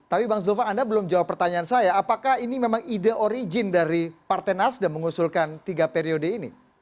tapi bang zulfan anda belum jawab pertanyaan saya apakah ini memang ide origin dari partai nasdem mengusulkan tiga periode ini